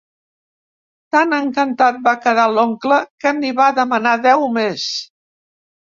Tan encantat va quedar l'oncle que n'hi va demanar deu més.